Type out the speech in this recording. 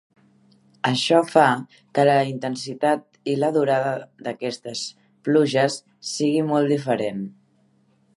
Això fa que la intensitat i la durada d'aquestes pluges sigui molt diferent.